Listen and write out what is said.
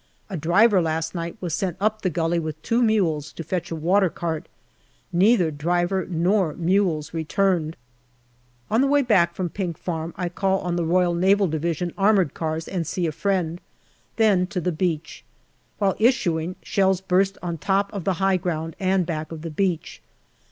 A driver last night was sent up the gully with two mules to fetch a watercart. Neither driver nor mules returned. On the way back from Pink Farm I call on the R.N.D. armoured cars and see a friend. Then to the beach. While issuing, shells burst on the top of the high ground and back of the beach.